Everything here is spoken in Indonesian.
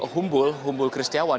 humbul humbul kristiawan